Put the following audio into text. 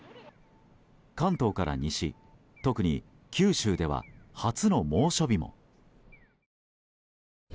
関東から西特に九州では初の猛暑日も。